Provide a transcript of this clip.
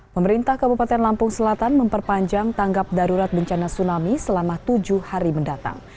pemerintah kabupaten lampung selatan memperpanjang tanggap darurat bencana tsunami selama tujuh hari mendatang